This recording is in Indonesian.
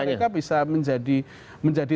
mereka bisa menjadi